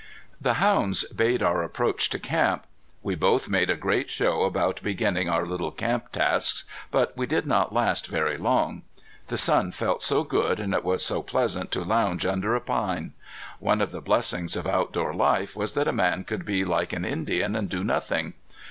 The hounds bayed our approach to camp. We both made a great show about beginning our little camp tasks, but we did not last very long. The sun felt so good and it was so pleasant to lounge under a pine. One of the blessings of outdoor life was that a man could be like an Indian and do nothing.